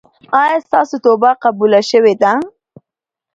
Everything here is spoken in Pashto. ایا ستاسو توبه قبوله شوې ده؟